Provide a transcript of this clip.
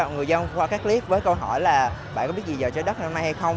người dân qua các clip với câu hỏi là bạn có biết gì giờ trái đất năm nay hay không